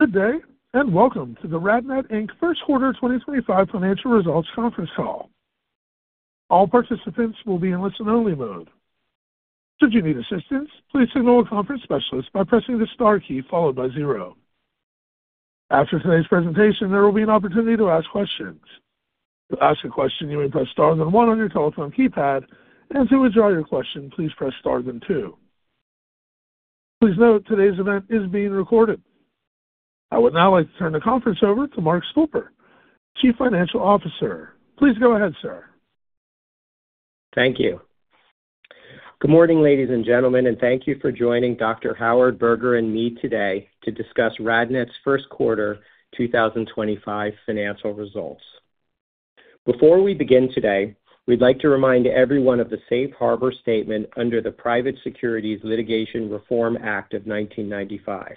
Good day, and welcome to the RadNet First Quarter 2025 Financial Results Conference Call. All participants will be in listen-only mode. Should you need assistance, please signal a conference specialist by pressing the star key followed by zero. After today's presentation, there will be an opportunity to ask questions. To ask a question, you may press star then one on your telephone keypad, and to withdraw your question, please press star then two. Please note, today's event is being recorded. I would now like to turn the conference over to Mark Stolper, Chief Financial Officer. Please go ahead, sir. Thank you. Good morning, ladies and gentlemen, and thank you for joining Dr. Howard Berger and me today to discuss RadNet's First Quarter 2025 financial results. Before we begin today, we'd like to remind everyone of the Safe Harbor Statement under the Private Securities Litigation Reform Act of 1995.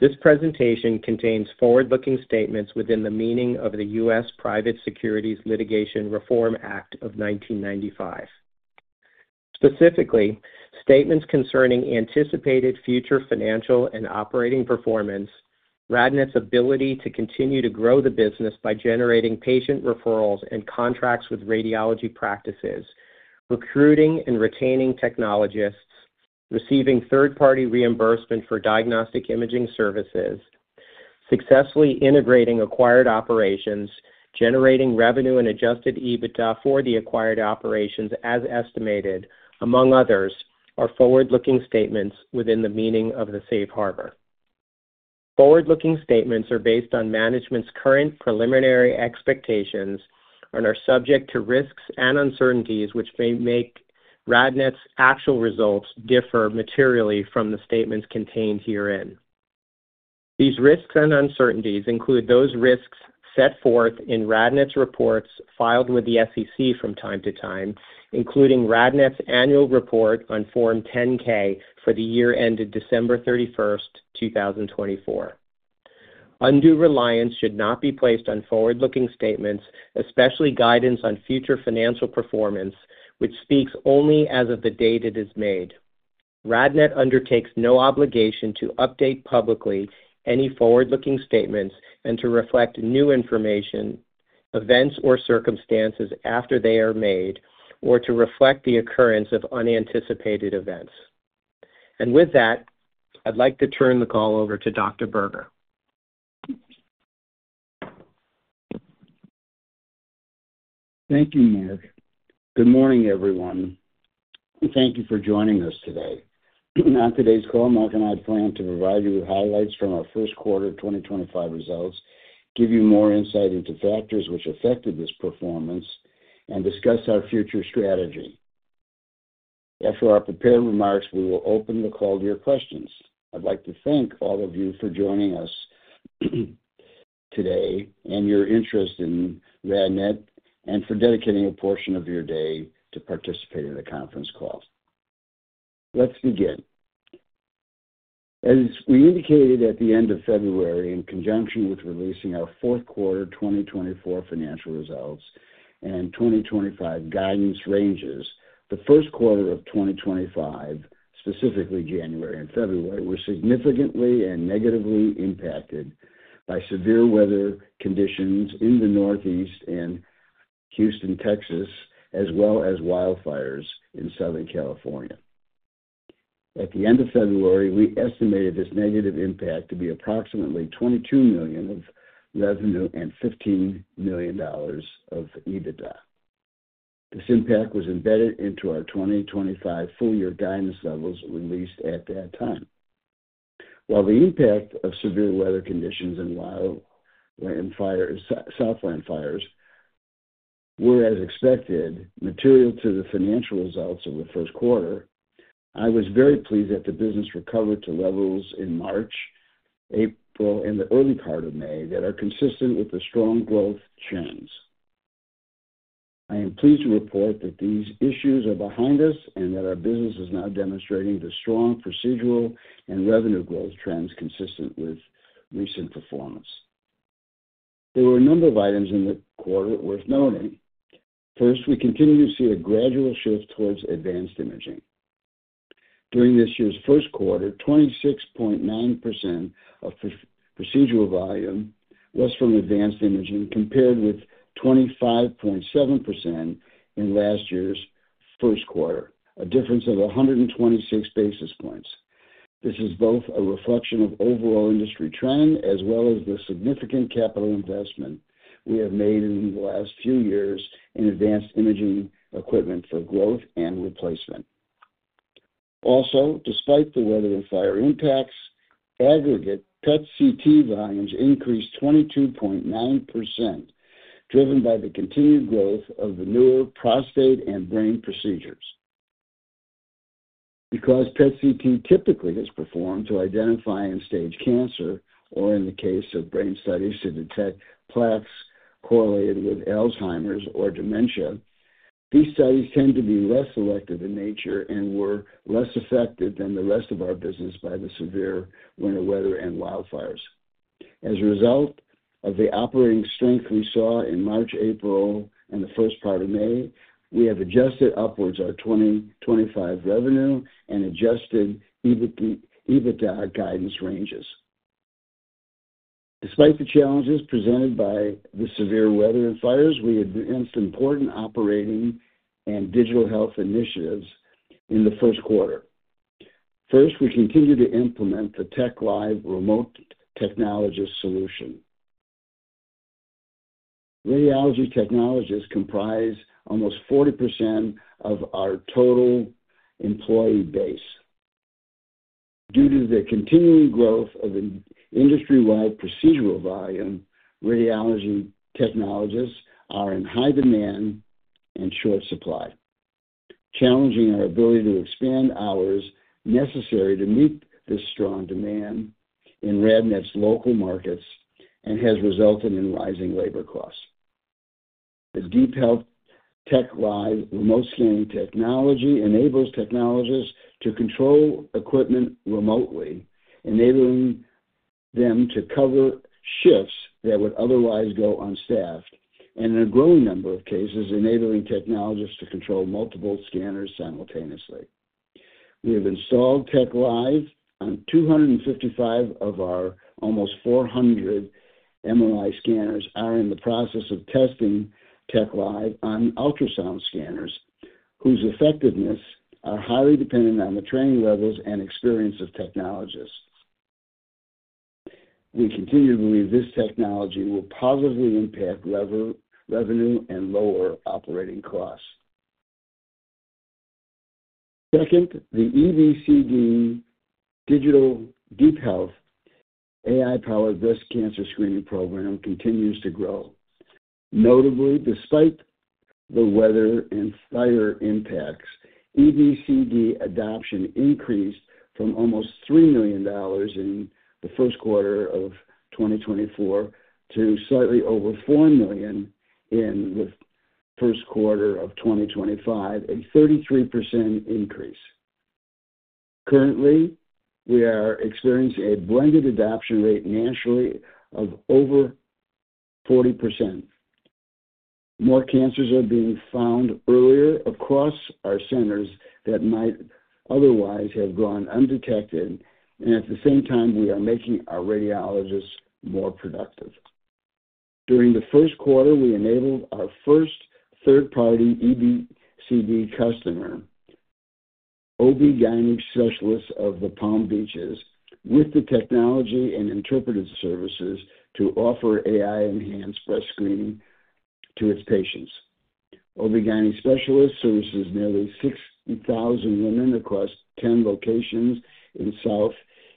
This presentation contains forward-looking statements within the meaning of the U.S. Private Securities Litigation Reform Act of 1995. Specifically, statements concerning anticipated future financial and operating performance, RadNet's ability to continue to grow the business by generating patient referrals and contracts with radiology practices, recruiting and retaining technologists, receiving third-party reimbursement for diagnostic imaging services, successfully integrating acquired operations, generating revenue and adjusted EBITDA for the acquired operations as estimated, among others, are forward-looking statements within the meaning of the Safe Harbor. Forward-looking statements are based on management's current preliminary expectations and are subject to risks and uncertainties which may make RadNet's actual results differ materially from the statements contained herein. These risks and uncertainties include those risks set forth in RadNet's reports filed with the SEC from time to time, including RadNet's annual report on Form 10-K for the year ended December 31, 2024. Undue reliance should not be placed on forward-looking statements, especially guidance on future financial performance, which speaks only as of the date it is made. RadNet undertakes no obligation to update publicly any forward-looking statements and to reflect new information, events, or circumstances after they are made, or to reflect the occurrence of unanticipated events. I'd like to turn the call over to Dr. Berger. Thank you, Mark. Good morning, everyone, and thank you for joining us today. On today's call, Mark and I plan to provide you with highlights from our first quarter 2025 results, give you more insight into factors which affected this performance, and discuss our future strategy. After our prepared remarks, we will open the call to your questions. I'd like to thank all of you for joining us today and your interest in RadNet and for dedicating a portion of your day to participate in the conference call. Let's begin. As we indicated at the end of February, in conjunction with releasing our fourth quarter 2024 financial results and 2025 guidance ranges, the first quarter of 2025, specifically January and February, were significantly and negatively impacted by severe weather conditions in the Northeast, in Houston, Texas, as well as wildfires in Southern California. At the end of February, we estimated this negative impact to be approximately $22 million of revenue and $15 million of EBITDA. This impact was embedded into our 2025 full-year guidance levels released at that time. While the impact of severe weather conditions and wildland fires and southland fires were, as expected, material to the financial results of the first quarter, I was very pleased that the business recovered to levels in March, April, and the early part of May that are consistent with the strong growth trends. I am pleased to report that these issues are behind us and that our business is now demonstrating the strong procedural and revenue growth trends consistent with recent performance. There were a number of items in the quarter worth noting. First, we continue to see a gradual shift towards advanced imaging. During this year's first quarter, 26.9% of procedural volume was from advanced imaging compared with 25.7% in last year's first quarter, a difference of 126 basis points. This is both a reflection of overall industry trend as well as the significant capital investment we have made in the last few years in advanced imaging equipment for growth and replacement. Also, despite the weather and fire impacts, aggregate PET/CT volumes increased 22.9%, driven by the continued growth of the newer prostate and brain procedures. Because PET/CT typically is performed to identify and stage cancer, or in the case of brain studies to detect plaques correlated with Alzheimer's or dementia, these studies tend to be less selective in nature and were less affected than the rest of our business by the severe winter weather and wildfires. As a result of the operating strength we saw in March, April, and the first part of May, we have adjusted upwards our 2025 revenue and adjusted EBITDA guidance ranges. Despite the challenges presented by the severe weather and fires, we advanced important operating and digital health initiatives in the first quarter. First, we continue to implement the TechLive remote technologist solution. Radiology technologists comprise almost 40% of our total employee base. Due to the continuing growth of industry-wide procedural volume, radiology technologists are in high demand and short supply, challenging our ability to expand hours necessary to meet this strong demand in RadNet's local markets and has resulted in rising labor costs. The DeepHealth TechLive remote scanning technology enables technologists to control equipment remotely, enabling them to cover shifts that would otherwise go unstaffed, and in a growing number of cases, enabling technologists to control multiple scanners simultaneously. We have installed TechLive on 255 of our almost 400 MRI scanners and are in the process of testing TechLive on ultrasound scanners, whose effectiveness is highly dependent on the training levels and experience of technologists. We continue to believe this technology will positively impact revenue and lower operating costs. Second, the EBCD Digital DeepHealth AI-powered breast cancer screening program continues to grow. Notably, despite the weather and fire impacts, EBCD adoption increased from almost $3 million in the first quarter of 2024 to slightly over $4 million in the first quarter of 2025, a 33% increase. Currently, we are experiencing a blended adoption rate nationally of over 40%. More cancers are being found earlier across our centers that might otherwise have gone undetected, and at the same time, we are making our radiologists more productive. During the first quarter, we enabled our first third-party EBCD customer, OB/GYN Specialists of the Palm Beaches, with the technology and interpretive services to offer AI-enhanced breast screening to its patients. OB/GYN Specialists services nearly 6,000 women across 10 locations in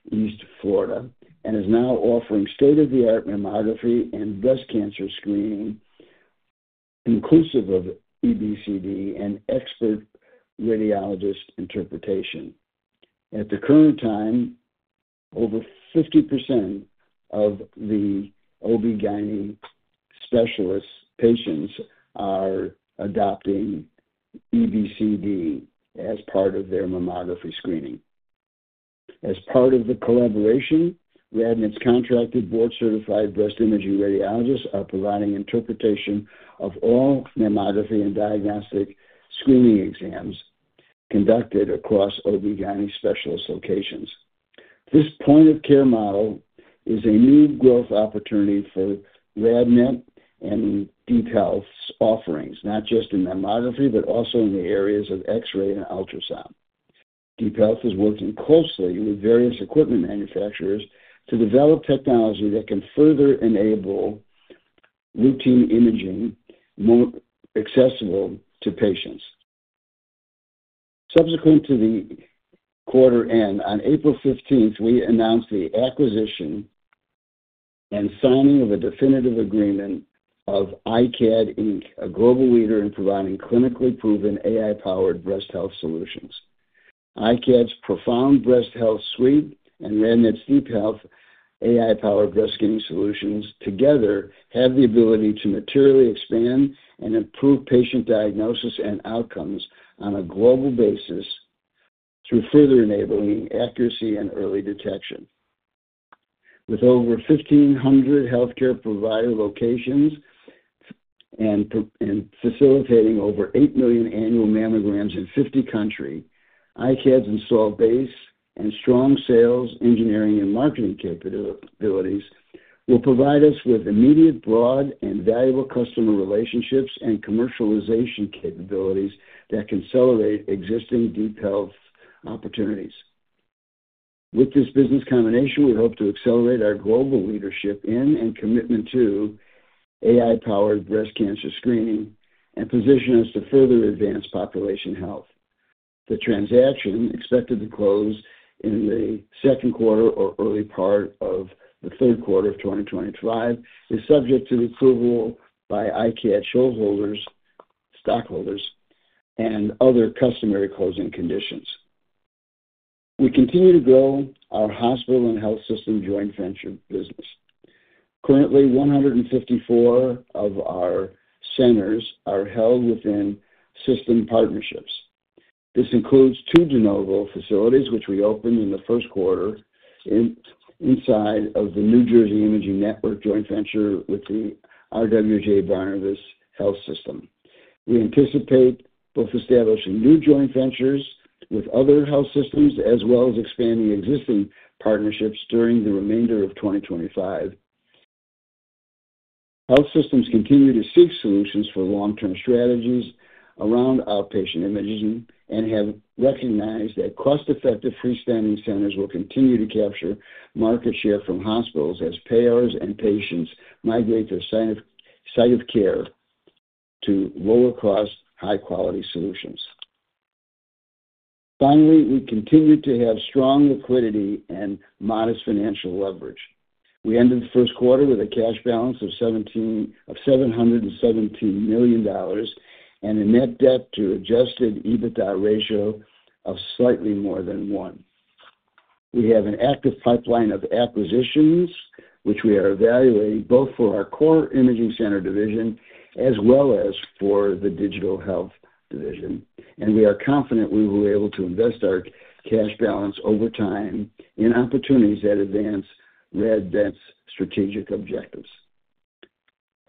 Southeast Florida and is now offering state-of-the-art mammography and breast cancer screening, inclusive of EBCD and expert radiologist interpretation. At the current time, over 50% of the OB/GYN Specialists patients are adopting EBCD as part of their mammography screening. As part of the collaboration, RadNet's contracted board-certified breast imaging radiologists are providing interpretation of all mammography and diagnostic screening exams conducted across OB/GYN Specialists locations. This point-of-care model is a new growth opportunity for RadNet and DeepHealth's offerings, not just in mammography, but also in the areas of X-ray and ultrasound. DeepHealth is working closely with various equipment manufacturers to develop technology that can further enable routine imaging more accessible to patients. Subsequent to the quarter end, on April 15th, we announced the acquisition and signing of a definitive agreement of iCAD Inc., a global leader in providing clinically proven AI-powered breast health solutions. iCAD's Profound Breast Health Suite and RadNet's DeepHealth AI-powered breast screening solutions together have the ability to materially expand and improve patient diagnosis and outcomes on a global basis through further enabling accuracy and early detection. With over 1,500 healthcare provider locations and facilitating over 8 million annual mammograms in 50 countries, iCAD's installed base and strong sales engineering and marketing capabilities will provide us with immediate, broad, and valuable customer relationships and commercialization capabilities that can accelerate existing DeepHealth opportunities. With this business combination, we hope to accelerate our global leadership in and commitment to AI-powered breast cancer screening and position us to further advance population health. The transaction, expected to close in the second quarter or early part of the third quarter of 2025, is subject to the approval by iCAD shareholders, stockholders, and other customary closing conditions. We continue to grow our hospital and health system joint venture business. Currently, 154 of our centers are held within system partnerships. This includes two de novo facilities, which we opened in the first quarter inside of the New Jersey Imaging Network joint venture with the RWJBarnabas Health System. We anticipate both establishing new joint ventures with other health systems as well as expanding existing partnerships during the remainder of 2025. Health systems continue to seek solutions for long-term strategies around outpatient imaging and have recognized that cost-effective freestanding centers will continue to capture market share from hospitals as payers and patients migrate their site of care to lower-cost, high-quality solutions. Finally, we continue to have strong liquidity and modest financial leverage. We ended the first quarter with a cash balance of $717 million and a net debt to adjusted EBITDA ratio of slightly more than one. We have an active pipeline of acquisitions, which we are evaluating both for our core imaging center division as well as for the digital health division. We are confident we will be able to invest our cash balance over time in opportunities that advance RadNet's strategic objectives.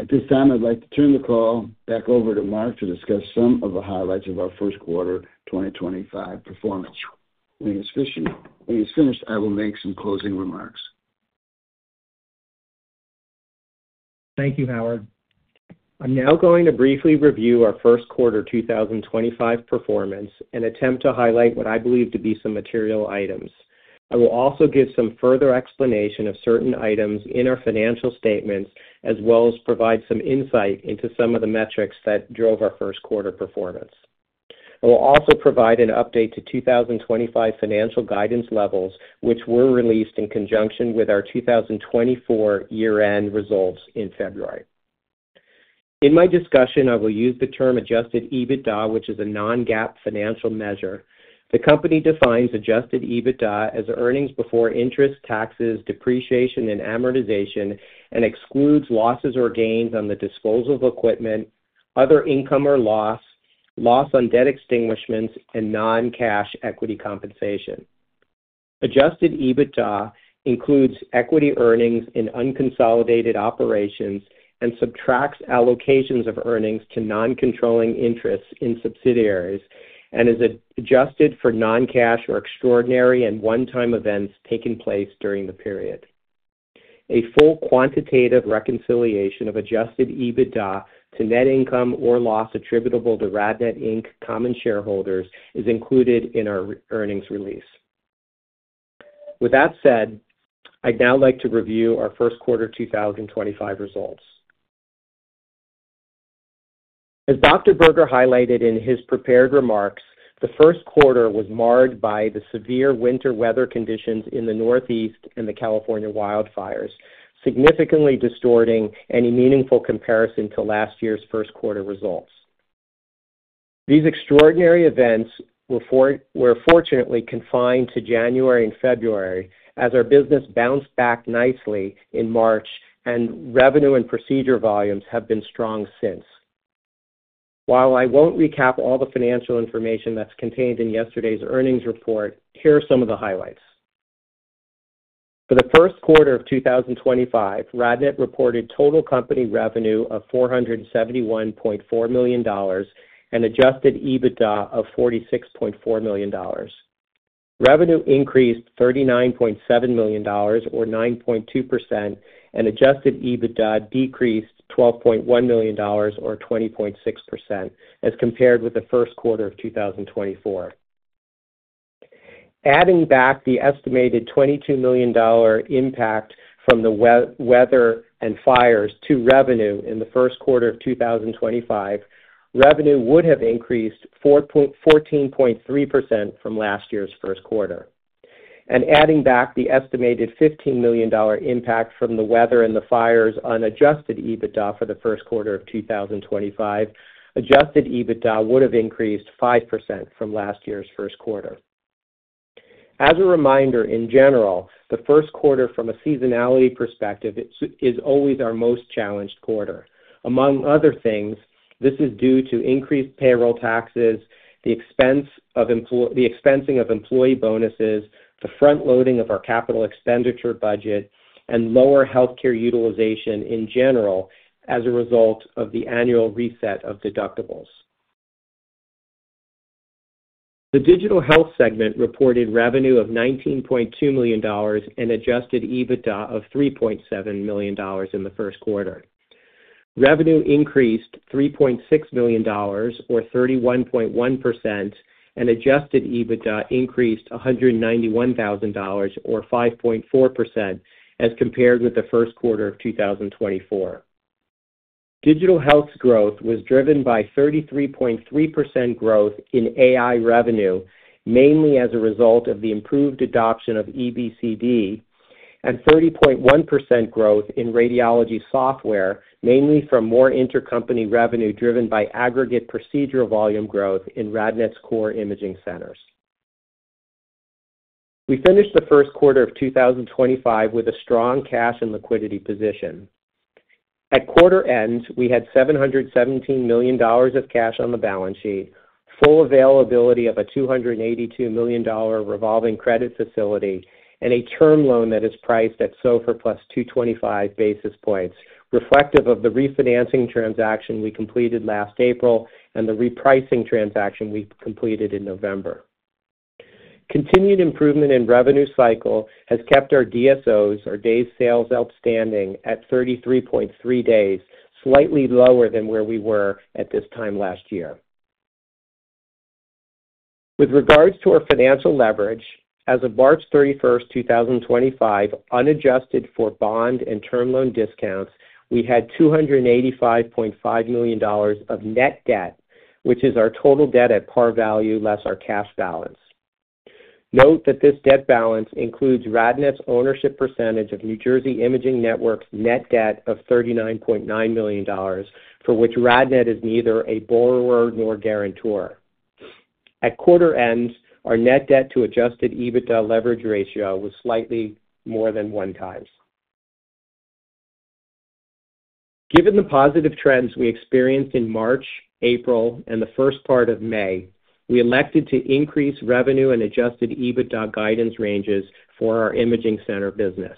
At this time, I'd like to turn the call back over to Mark to discuss some of the highlights of our first quarter 2025 performance. When he's finished, I will make some closing remarks. Thank you, Howard. I'm now going to briefly review our first quarter 2025 performance and attempt to highlight what I believe to be some material items. I will also give some further explanation of certain items in our financial statements, as well as provide some insight into some of the metrics that drove our first quarter performance. I will also provide an update to 2025 financial guidance levels, which were released in conjunction with our 2024 year-end results in February. In my discussion, I will use the term adjusted EBITDA, which is a non-GAAP financial measure. The company defines adjusted EBITDA as earnings before interest, taxes, depreciation, and amortization, and excludes losses or gains on the disposal of equipment, other income or loss, loss on debt extinguishments, and non-cash equity compensation. Adjusted EBITDA includes equity earnings in unconsolidated operations and subtracts allocations of earnings to non-controlling interests in subsidiaries and is adjusted for non-cash or extraordinary and one-time events taking place during the period. A full quantitative reconciliation of adjusted EBITDA to net income or loss attributable to RadNet common shareholders is included in our earnings release. With that said, I'd now like to review our first quarter 2025 results. As Dr. Berger highlighted in his prepared remarks, the first quarter was marred by the severe winter weather conditions in the Northeast and the California wildfires, significantly distorting any meaningful comparison to last year's first quarter results. These extraordinary events were fortunately confined to January and February, as our business bounced back nicely in March, and revenue and procedure volumes have been strong since. While I won't recap all the financial information that's contained in yesterday's earnings report, here are some of the highlights. For the first quarter of 2025, RadNet reported total company revenue of $471.4 million and adjusted EBITDA of $46.4 million. Revenue increased $39.7 million, or 9.2%, and adjusted EBITDA decreased $12.1 million, or 20.6%, as compared with the first quarter of 2024. Adding back the estimated $22 million impact from the weather and fires to revenue in the first quarter of 2025, revenue would have increased 14.3% from last year's first quarter. Adding back the estimated $15 million impact from the weather and the fires on adjusted EBITDA for the first quarter of 2025, adjusted EBITDA would have increased 5% from last year's first quarter. As a reminder, in general, the first quarter from a seasonality perspective is always our most challenged quarter. Among other things, this is due to increased payroll taxes, the expensing of employee bonuses, the front-loading of our capital expenditure budget, and lower healthcare utilization in general as a result of the annual reset of deductibles. The digital health segment reported revenue of $19.2 million and adjusted EBITDA of $3.7 million in the first quarter. Revenue increased $3.6 million, or 31.1%, and adjusted EBITDA increased $191,000, or 5.4%, as compared with the first quarter of 2024. Digital health growth was driven by 33.3% growth in AI revenue, mainly as a result of the improved adoption of EBCD, and 30.1% growth in radiology software, mainly from more intercompany revenue driven by aggregate procedure volume growth in RadNet's core imaging centers. We finished the first quarter of 2025 with a strong cash and liquidity position. At quarter end, we had $717 million of cash on the balance sheet, full availability of a $282 million revolving credit facility, and a term loan that is priced at SOFR plus 225 basis points, reflective of the refinancing transaction we completed last April and the repricing transaction we completed in November. Continued improvement in revenue cycle has kept our DSOs, our days sales outstanding, at 33.3 days, slightly lower than where we were at this time last year. With regards to our financial leverage, as of March 31, 2025, unadjusted for bond and term loan discounts, we had $285.5 million of net debt, which is our total debt at par value less our cash balance. Note that this debt balance includes RadNet's ownership percentage of New Jersey Imaging Network's net debt of $39.9 million, for which RadNet is neither a borrower nor guarantor. At quarter end, our net debt to adjusted EBITDA leverage ratio was slightly more than one times. Given the positive trends we experienced in March, April, and the first part of May, we elected to increase revenue and adjusted EBITDA guidance ranges for our imaging center business.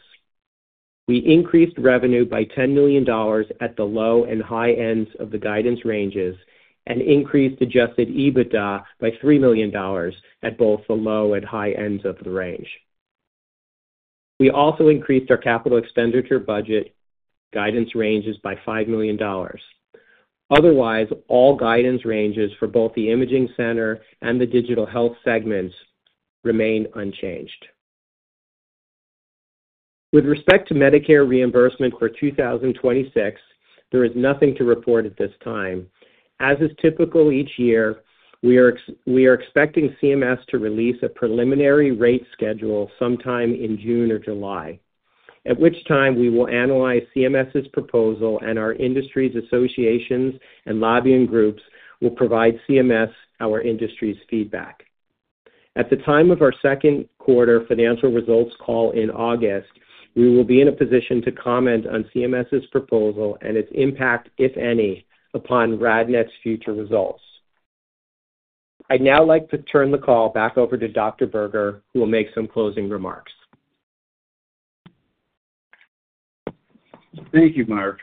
We increased revenue by $10 million at the low and high ends of the guidance ranges and increased adjusted EBITDA by $3 million at both the low and high ends of the range. We also increased our capital expenditure budget guidance ranges by $5 million. Otherwise, all guidance ranges for both the imaging center and the digital health segments remained unchanged. With respect to Medicare reimbursement for 2026, there is nothing to report at this time. As is typical each year, we are expecting CMS to release a preliminary rate schedule sometime in June or July, at which time we will analyze CMS's proposal, and our industry's associations and lobbying groups will provide CMS our industry's feedback. At the time of our second quarter financial results call in August, we will be in a position to comment on CMS's proposal and its impact, if any, upon RadNet's future results. I'd now like to turn the call back over to Dr. Berger, who will make some closing remarks. Thank you, Mark.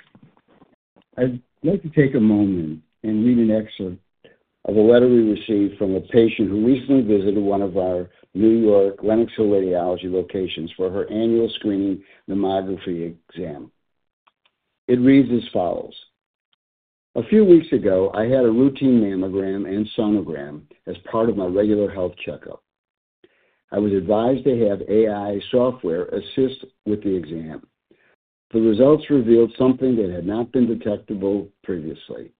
I'd like to take a moment and read an excerpt of a letter we received from a patient who recently visited one of our New York Lennox Hill Radiology locations for her annual screening mammography exam. It reads as follows. A few weeks ago, I had a routine mammogram and sonogram as part of my regular health checkup. I was advised to have AI software assist with the exam. The results revealed something that had not been detectable previously.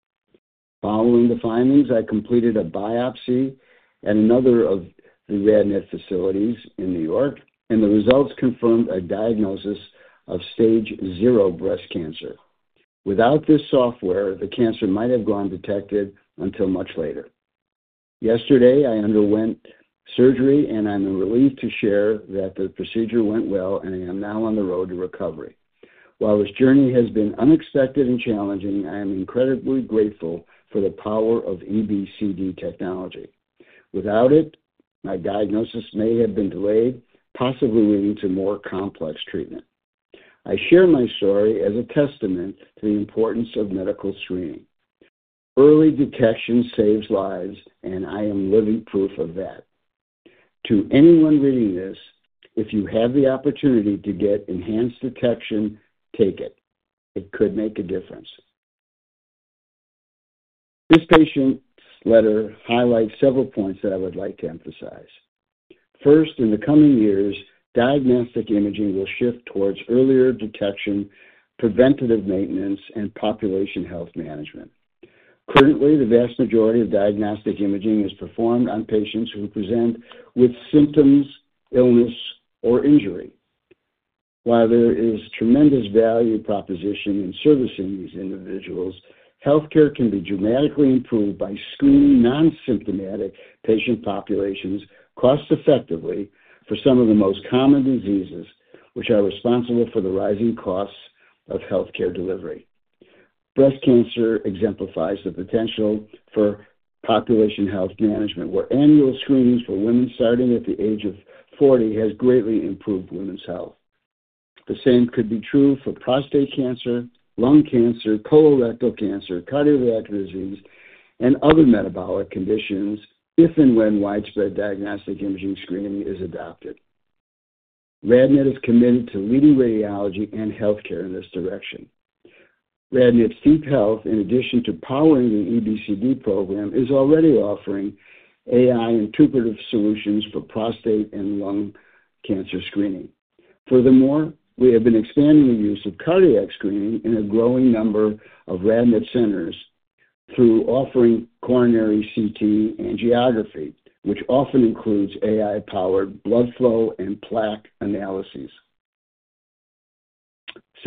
Following the findings, I completed a biopsy at another of the RadNet facilities in New York, and the results confirmed a diagnosis of stage zero breast cancer. Without this software, the cancer might have gone detected until much later. Yesterday, I underwent surgery, and I'm relieved to share that the procedure went well, and I am now on the road to recovery. While this journey has been unexpected and challenging, I am incredibly grateful for the power of EBCD technology. Without it, my diagnosis may have been delayed, possibly leading to more complex treatment. I share my story as a testament to the importance of medical screening. Early detection saves lives, and I am living proof of that. To anyone reading this, if you have the opportunity to get enhanced detection, take it. It could make a difference. This patient's letter highlights several points that I would like to emphasize. First, in the coming years, diagnostic imaging will shift towards earlier detection, preventative maintenance, and population health management. Currently, the vast majority of diagnostic imaging is performed on patients who present with symptoms, illness, or injury. While there is tremendous value proposition in servicing these individuals, healthcare can be dramatically improved by screening non-symptomatic patient populations cost-effectively for some of the most common diseases, which are responsible for the rising costs of healthcare delivery. Breast cancer exemplifies the potential for population health management, where annual screenings for women starting at the age of 40 have greatly improved women's health. The same could be true for prostate cancer, lung cancer, colorectal cancer, cardiovascular disease, and other metabolic conditions, if and when widespread diagnostic imaging screening is adopted. RadNet is committed to leading radiology and healthcare in this direction. RadNet's DeepHealth, in addition to powering the EBCD program, is already offering AI interpretive solutions for prostate and lung cancer screening. Furthermore, we have been expanding the use of cardiac screening in a growing number of RadNet centers through offering coronary CT angiography, which often includes AI-powered blood flow and plaque analyses.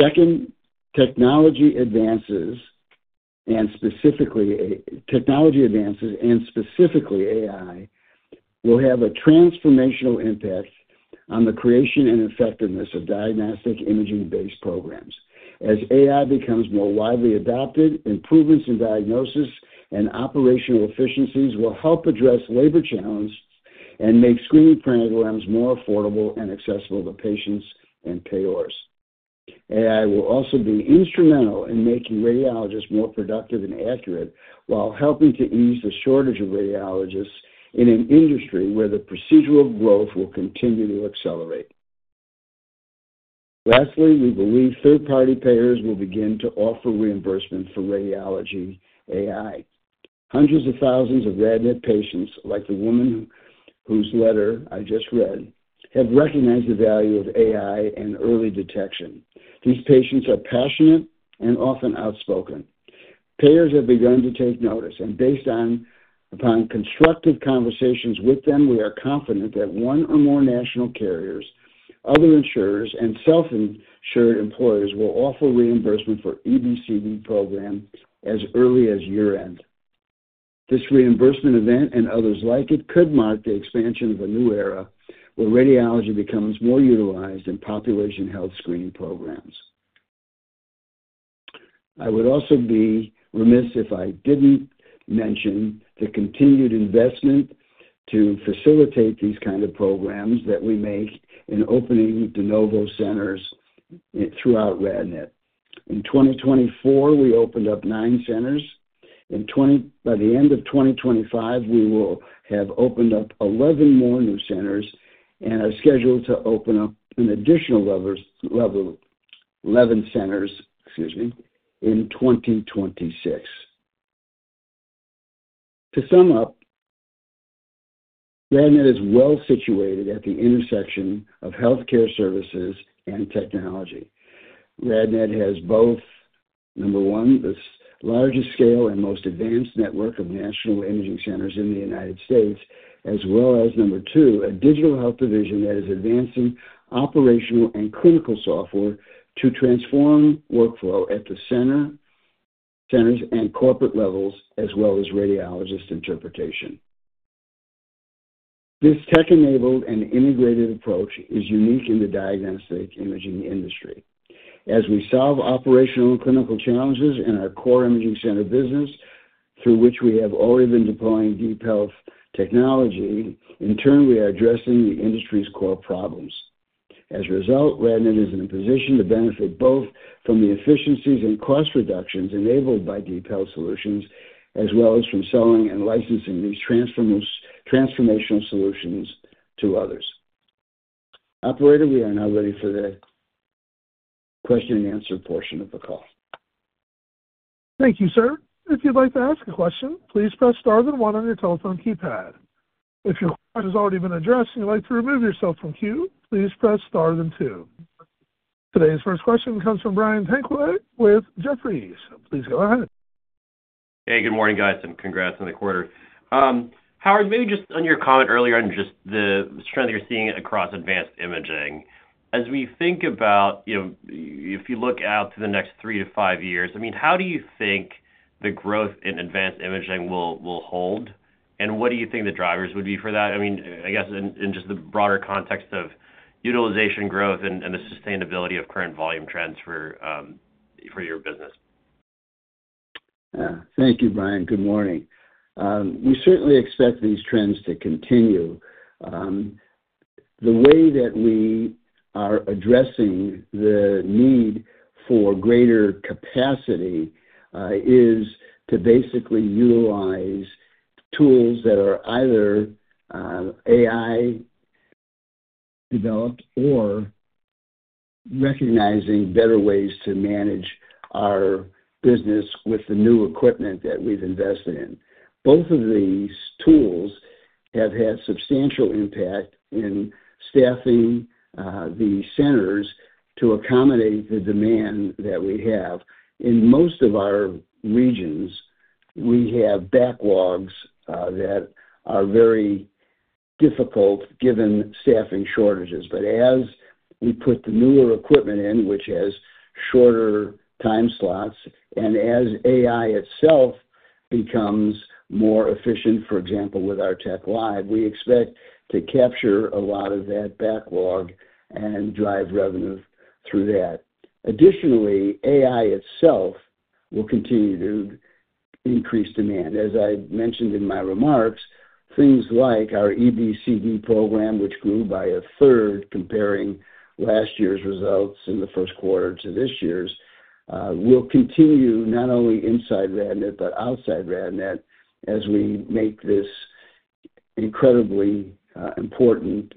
Second, technology advances, and specifically AI, will have a transformational impact on the creation and effectiveness of diagnostic imaging-based programs. As AI becomes more widely adopted, improvements in diagnosis and operational efficiencies will help address labor challenges and make screening programs more affordable and accessible to patients and payers. AI will also be instrumental in making radiologists more productive and accurate while helping to ease the shortage of radiologists in an industry where the procedural growth will continue to accelerate. Lastly, we believe third-party payers will begin to offer reimbursement for radiology AI. Hundreds of thousands of RadNet patients, like the woman whose letter I just read, have recognized the value of AI and early detection. These patients are passionate and often outspoken. Payers have begun to take notice, and based upon constructive conversations with them, we are confident that one or more national carriers, other insurers, and self-insured employers will offer reimbursement for EBCD programs as early as year-end. This reimbursement event and others like it could mark the expansion of a new era where radiology becomes more utilized in population health screening programs. I would also be remiss if I did not mention the continued investment to facilitate these kinds of programs that we make in opening de novo centers throughout RadNet. In 2024, we opened up nine centers. By the end of 2025, we will have opened up 11 more new centers and are scheduled to open up an additional 11 centers, excuse me, in 2026. To sum up, RadNet is well situated at the intersection of healthcare services and technology. RadNet has both, number one, the largest scale and most advanced network of national imaging centers in the United States, as well as, number two, a digital health division that is advancing operational and clinical software to transform workflow at the centers and corporate levels, as well as radiologist interpretation. This tech-enabled and integrated approach is unique in the diagnostic imaging industry. As we solve operational and clinical challenges in our core imaging center business, through which we have already been deploying DeepHealth technology, in turn, we are addressing the industry's core problems. As a result, RadNet is in a position to benefit both from the efficiencies and cost reductions enabled by DeepHealth solutions, as well as from selling and licensing these transformational solutions to others. Operator, we are now ready for the question-and-answer portion of the call. Thank you, sir. If you'd like to ask a question, please press star then one on your telephone keypad. If your question has already been addressed and you'd like to remove yourself from queue, please press star then two. Today's first question comes from Brian Tanquilut with Jefferies. Please go ahead. Hey, good morning, guys, and congrats on the quarter. Howard, maybe just on your comment earlier on just the strength you're seeing across advanced imaging. As we think about, if you look out to the next three to five years, I mean, how do you think the growth in advanced imaging will hold, and what do you think the drivers would be for that? I mean, I guess in just the broader context of utilization growth and the sustainability of current volume trends for your business. Thank you, Brian. Good morning. We certainly expect these trends to continue. The way that we are addressing the need for greater capacity is to basically utilize tools that are either AI-developed or recognizing better ways to manage our business with the new equipment that we've invested in. Both of these tools have had substantial impact in staffing the centers to accommodate the demand that we have. In most of our regions, we have backlogs that are very difficult given staffing shortages. As we put the newer equipment in, which has shorter time slots, and as AI itself becomes more efficient, for example, with our TechLive, we expect to capture a lot of that backlog and drive revenue through that. Additionally, AI itself will continue to increase demand. As I mentioned in my remarks, things like our EBCD program, which grew by a third comparing last year's results in the first quarter to this year's, will continue not only inside RadNet but outside RadNet as we make this incredibly important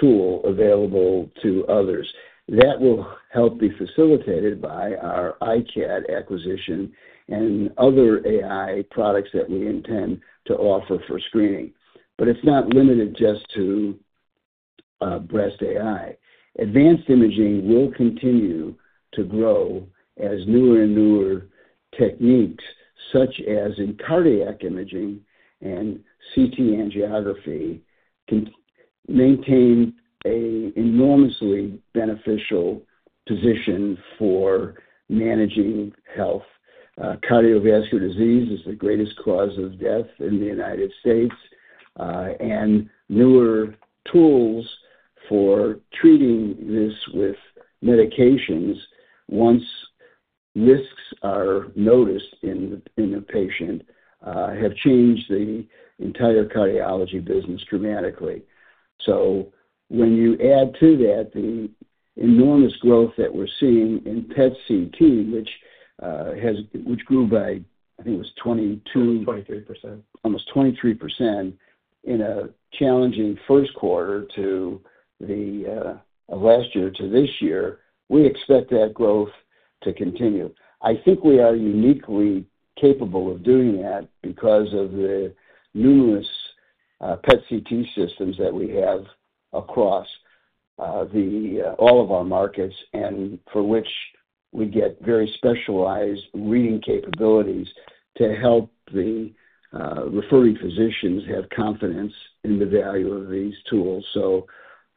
tool available to others. That will help be facilitated by our iCAD acquisition and other AI products that we intend to offer for screening. It is not limited just to breast AI. Advanced imaging will continue to grow as newer and newer techniques, such as in cardiac imaging and CT angiography, maintain an enormously beneficial position for managing health. Cardiovascular disease is the greatest cause of death in the United States, and newer tools for treating this with medications, once risks are noticed in the patient, have changed the entire cardiology business dramatically. When you add to that the enormous growth that we're seeing in PET/CT, which grew by, I think it was 22%. Almost 23%. Almost 23% in a challenging first quarter to last year to this year, we expect that growth to continue. I think we are uniquely capable of doing that because of the numerous PET/CT systems that we have across all of our markets and for which we get very specialized reading capabilities to help the referring physicians have confidence in the value of these tools.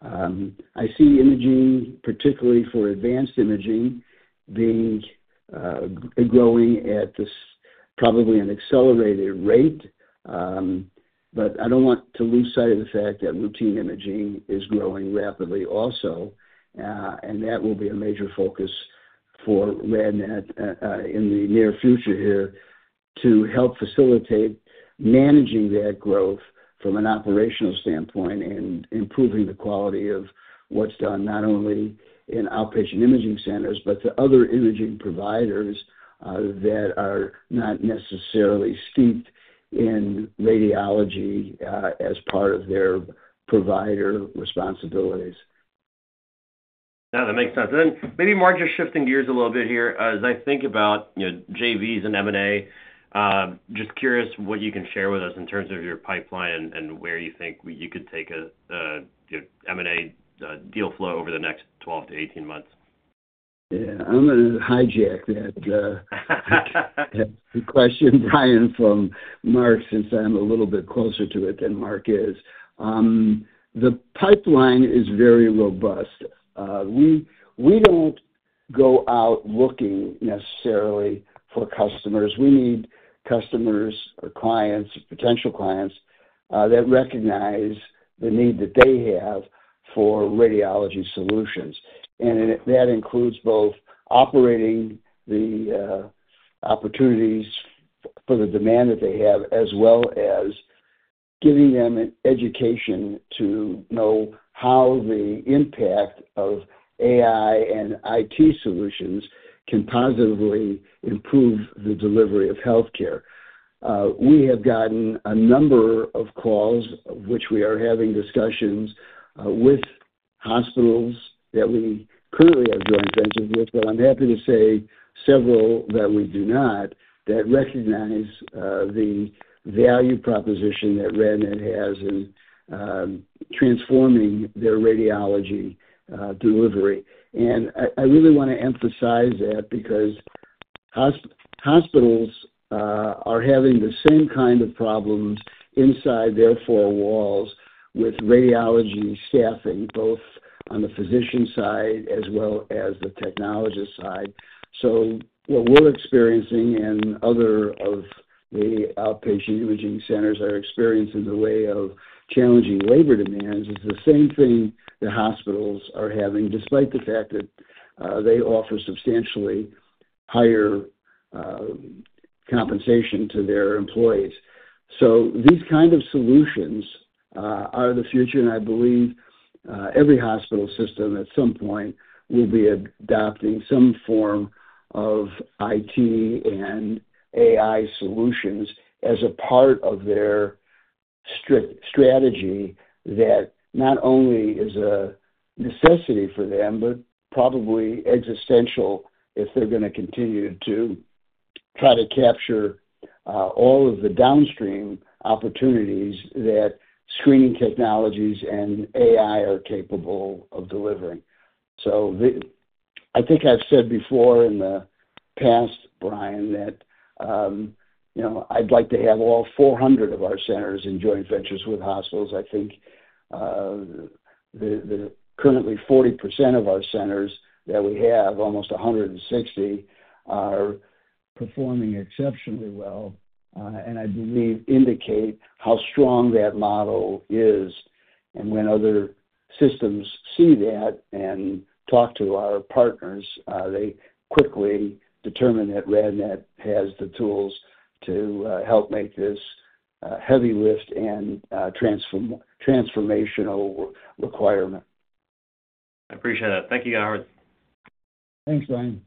I see imaging, particularly for advanced imaging, being growing at probably an accelerated rate, but I don't want to lose sight of the fact that routine imaging is growing rapidly also, and that will be a major focus for RadNet in the near future here to help facilitate managing that growth from an operational standpoint and improving the quality of what's done not only in outpatient imaging centers but to other imaging providers that are not necessarily steeped in radiology as part of their provider responsibilities. Yeah, that makes sense. Maybe more just shifting gears a little bit here, as I think about JVs and M&A, just curious what you can share with us in terms of your pipeline and where you think you could take an M&A deal flow over the next 12-18 months. Yeah, I'm going to hijack that question, Brian, from Mark since I'm a little bit closer to it than Mark is. The pipeline is very robust. We don't go out looking necessarily for customers. We need customers or clients, potential clients, that recognize the need that they have for radiology solutions. That includes both operating the opportunities for the demand that they have, as well as giving them an education to know how the impact of AI and IT solutions can positively improve the delivery of healthcare. We have gotten a number of calls, of which we are having discussions with hospitals that we currently have joint ventures with, but I'm happy to say several that we do not that recognize the value proposition that RadNet has in transforming their radiology delivery. I really want to emphasize that because hospitals are having the same kind of problems inside their four walls with radiology staffing, both on the physician side as well as the technologist side. What we're experiencing and other outpatient imaging centers are experiencing in the way of challenging labor demands is the same thing that hospitals are having, despite the fact that they offer substantially higher compensation to their employees. These kinds of solutions are the future, and I believe every hospital system at some point will be adopting some form of IT and AI solutions as a part of their strategy that not only is a necessity for them, but probably existential if they're going to continue to try to capture all of the downstream opportunities that screening technologies and AI are capable of delivering. I think I've said before in the past, Brian, that I'd like to have all 400 of our centers in joint ventures with hospitals. I think the currently 40% of our centers that we have, almost 160, are performing exceptionally well, and I believe indicate how strong that model is. When other systems see that and talk to our partners, they quickly determine that RadNet has the tools to help make this heavy lift and transformational requirement. I appreciate that. Thank you, Howard. Thanks, Brian.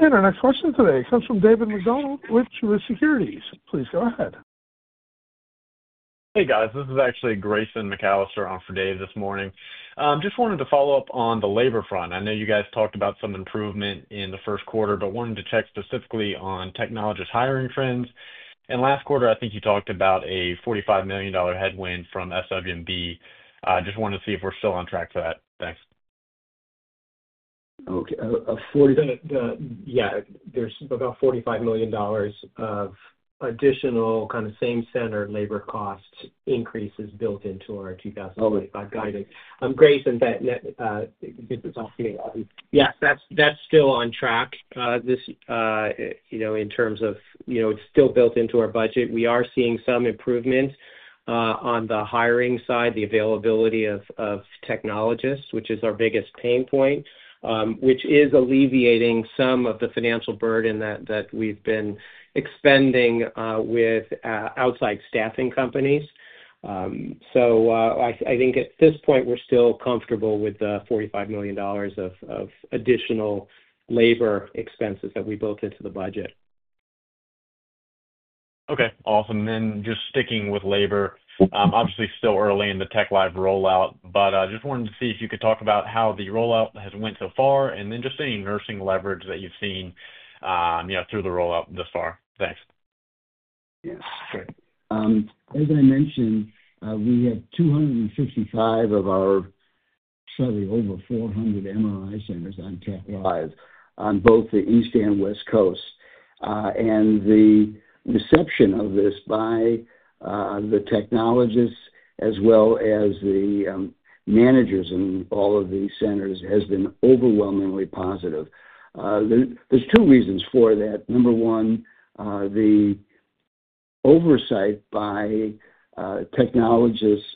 Our next question today comes from David MacDonald with Truist Securities. Please go ahead. Hey, guys. This is actually Grayson McAllister on for Dave this morning. Just wanted to follow up on the labor front. I know you guys talked about some improvement in the first quarter, but wanted to check specifically on technologist hiring trends. Last quarter, I think you talked about a $45 million headwind from SWMB. Just wanted to see if we're still on track for that. Thanks. Okay. Yeah. There's about $45 million of additional kind of same-center labor cost increases built into our 2025 guidance. Grayson, if it's okay. Yes, that's still on track in terms of it's still built into our budget. We are seeing some improvements on the hiring side, the availability of technologists, which is our biggest pain point, which is alleviating some of the financial burden that we've been expending with outside staffing companies. I think at this point, we're still comfortable with the $45 million of additional labor expenses that we built into the budget. Okay. Awesome. Just sticking with labor, obviously still early in the TechLive rollout, but just wanted to see if you could talk about how the rollout has went so far and then just any nursing leverage that you've seen through the rollout thus far. Thanks. Yes. Okay. As I mentioned, we have 255 of our slightly over 400 MRI centers on TechLive on both the East and West Coast. The reception of this by the technologists, as well as the managers in all of these centers, has been overwhelmingly positive. There are two reasons for that. Number one, the oversight by technologists,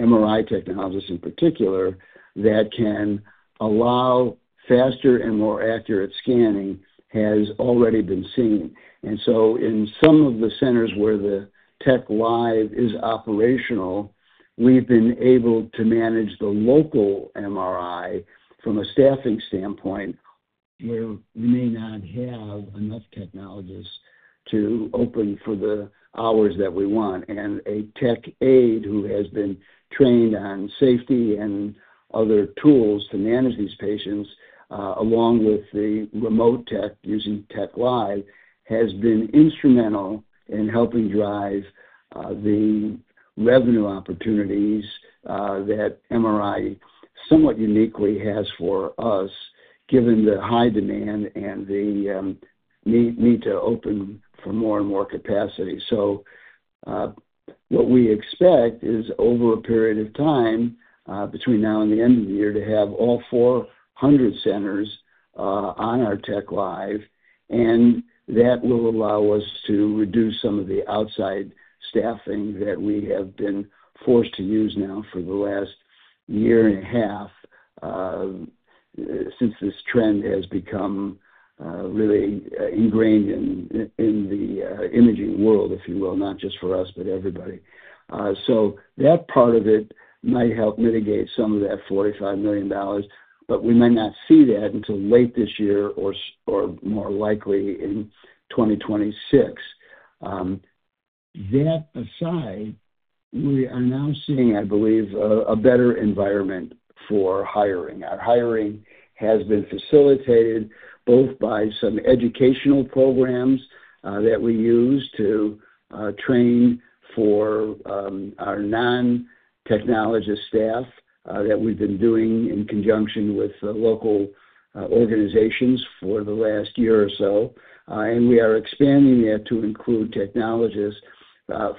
MRI technologists in particular, that can allow faster and more accurate scanning has already been seen. In some of the centers where the TechLive is operational, we've been able to manage the local MRI from a staffing standpoint where we may not have enough technologists to open for the hours that we want. A tech aide who has been trained on safety and other tools to manage these patients, along with the remote tech using TechLive, has been instrumental in helping drive the revenue opportunities that MRI somewhat uniquely has for us, given the high demand and the need to open for more and more capacity. What we expect is over a period of time between now and the end of the year to have all 400 centers on our TechLive, and that will allow us to reduce some of the outside staffing that we have been forced to use now for the last year and a half since this trend has become really ingrained in the imaging world, if you will, not just for us, but everybody. That part of it might help mitigate some of that $45 million, but we might not see that until late this year or more likely in 2026. That aside, we are now seeing, I believe, a better environment for hiring. Our hiring has been facilitated both by some educational programs that we use to train for our non-technologist staff that we have been doing in conjunction with local organizations for the last year or so. We are expanding that to include technologists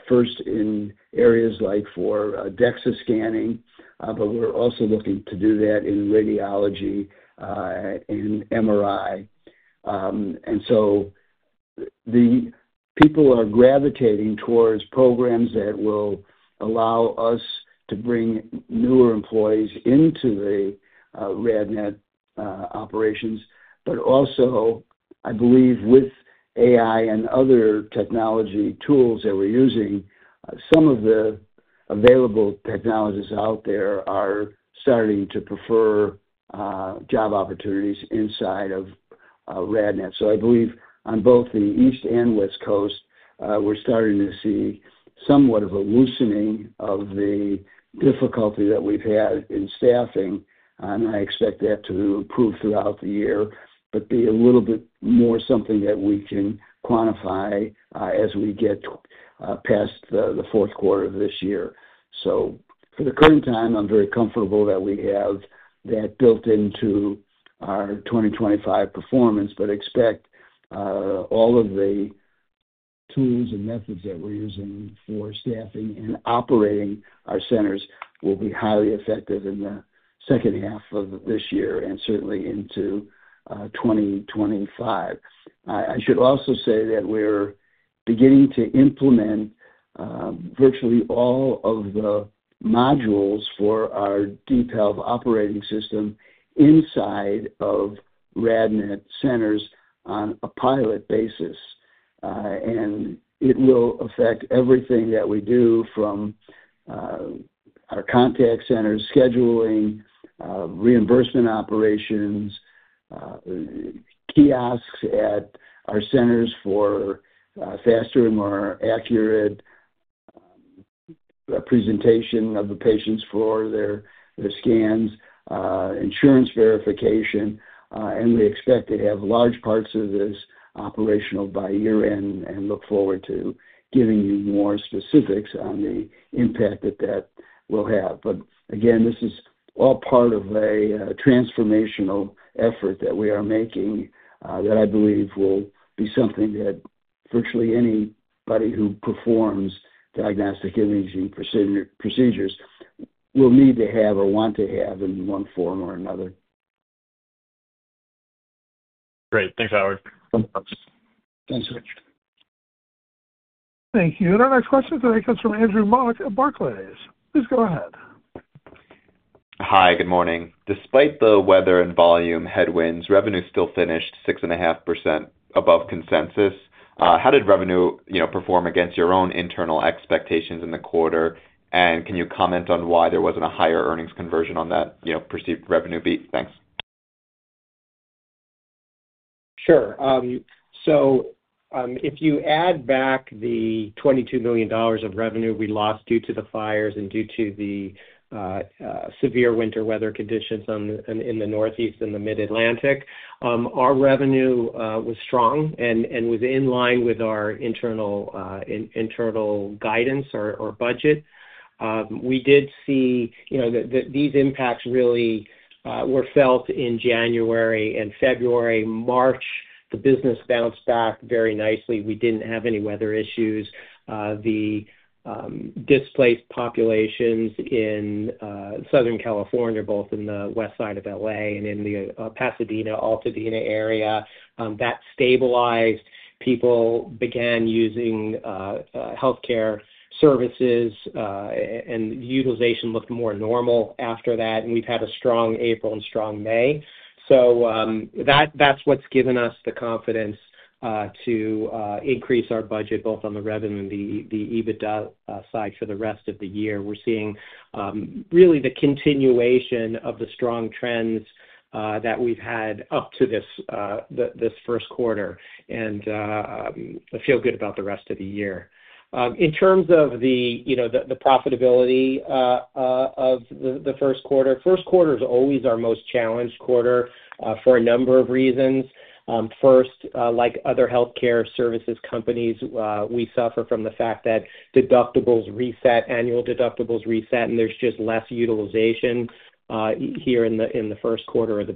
first in areas like for DEXA scanning, but we are also looking to do that in radiology and MRI. The people are gravitating towards programs that will allow us to bring newer employees into the RadNet operations. I believe with AI and other technology tools that we are using, some of the available technologists out there are starting to prefer job opportunities inside of RadNet. I believe on both the East and West Coast, we're starting to see somewhat of a loosening of the difficulty that we've had in staffing. I expect that to improve throughout the year but be a little bit more something that we can quantify as we get past the fourth quarter of this year. For the current time, I'm very comfortable that we have that built into our 2025 performance, but expect all of the tools and methods that we're using for staffing and operating our centers will be highly effective in the second half of this year and certainly into 2025. I should also say that we're beginning to implement virtually all of the modules for our DeepHealth OS operating system inside of RadNet centers on a pilot basis. It will affect everything that we do from our contact center scheduling, reimbursement operations, kiosks at our centers for faster and more accurate presentation of the patients for their scans, insurance verification. We expect to have large parts of this operational by year-end and look forward to giving you more specifics on the impact that that will have. Again, this is all part of a transformational effort that we are making that I believe will be something that virtually anybody who performs diagnostic imaging procedures will need to have or want to have in one form or another. Great. Thanks, Howard. Thanks, Rich. Thank you. Our next question today comes from Andrew Mok at Barclays. Please go ahead. Hi, good morning. Despite the weather and volume headwinds, revenue still finished 6.5% above consensus. How did revenue perform against your own internal expectations in the quarter? Can you comment on why there was not a higher earnings conversion on that perceived revenue beat? Thanks. Sure. If you add back the $22 million of revenue we lost due to the fires and due to the severe winter weather conditions in the Northeast and the Mid-Atlantic, our revenue was strong and was in line with our internal guidance or budget. We did see that these impacts really were felt in January and February. March, the business bounced back very nicely. We did not have any weather issues. The displaced populations in Southern California, both in the west side of LA and in the Pasadena-Altadena area, that stabilized. People began using healthcare services, and utilization looked more normal after that. We have had a strong April and strong May. That is what has given us the confidence to increase our budget, both on the revenue and the EBITDA side for the rest of the year. We're seeing really the continuation of the strong trends that we've had up to this first quarter. I feel good about the rest of the year. In terms of the profitability of the first quarter, first quarter is always our most challenged quarter for a number of reasons. First, like other healthcare services companies, we suffer from the fact that deductibles reset, annual deductibles reset, and there's just less utilization here in the first quarter or the